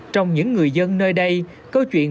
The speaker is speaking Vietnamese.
trong những người dân nơi đây câu chuyện